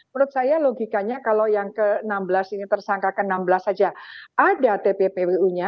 menurut saya logikanya kalau yang ke enam belas ini tersangka ke enam belas saja ada tppwu nya